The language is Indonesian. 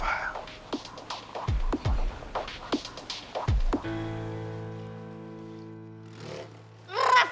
aku ceraikan adriana demi reva